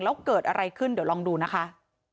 แล้วเกิดอะไรขึ้นเดี๋ยวลองดูนะคะ